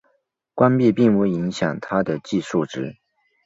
关闭并不影响它的计数值。